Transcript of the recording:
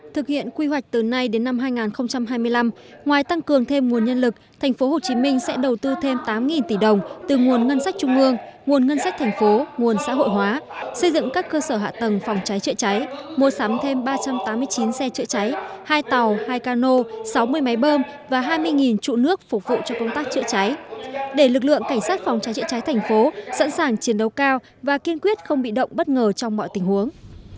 thực hiện quy hoạch từ nay đến năm hai nghìn hai mươi năm ngoài tăng cường thêm nguồn nhân lực tp hcm sẽ đầu tư thêm tám tỷ đồng từ nguồn ngân sách trung ương nguồn ngân sách thành phố nguồn xã hội hóa xây dựng các cơ sở hạ tầng phòng cháy chữa cháy mua sắm thêm ba trăm tám mươi chín xe chữa cháy hai tàu hai cano sáu mươi máy bơm và hai mươi trụ nước phục vụ cho công tác chữa cháy để lực lượng cảnh sát phòng cháy chữa cháy tp sẵn sàng chiến đấu cao và kiên quyết không bị động bất ngờ trong mọi tình huống